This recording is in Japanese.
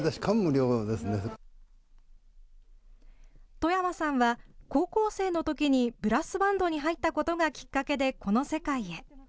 外山さんは、高校生のときにブラスバンドに入ったことがきっかけでこの世界へ。